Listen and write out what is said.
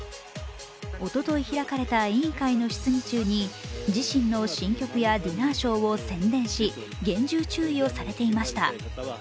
おととい開かれた委員会の質疑中に、自身の新曲やディナーショーを宣伝し厳重注意をされていました。